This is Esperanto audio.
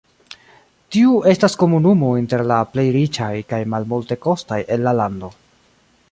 Tiu estas komunumo inter la plej riĉaj kaj multekostaj el la lando.